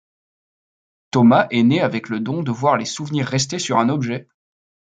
Thomas est né avec le don de voir les souvenirs restés sur un objet.